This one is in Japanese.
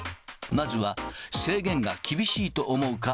まずは、制限が厳しいと思うか？